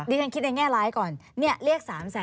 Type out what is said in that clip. ฉันคิดในแง่ร้ายก่อนเรียก๓แสน